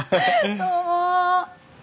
どうも。